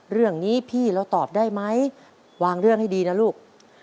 เรื่องนี้พี่เราตอบได้ไหมวางเรื่องให้ดีนะลูก